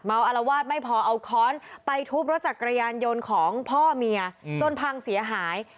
อารวาสไม่พอเอาค้อนไปทุบรถจักรยานยนต์ของพ่อเมียจนพังเสียหาย